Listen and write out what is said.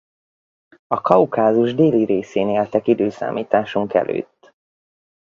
A Kaukázus déli részén éltek i.e.